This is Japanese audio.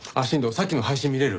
さっきの配信見れる？